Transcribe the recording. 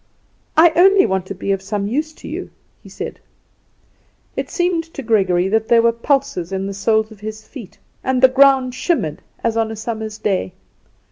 "I only want to be of some use to you," he said. It seemed to Gregory that there were pulses in the soles of his feet, and the ground shimmered as on a summer's day.